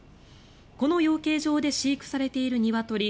この養鶏場で飼育されているニワトリ